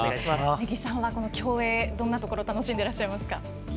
根木さんは、この競泳どんなところを楽しんでらっしゃいますか？